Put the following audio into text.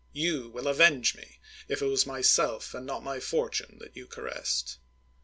240 GERMANICUS will avenge me, if it was myself and not my for tune that you caressed.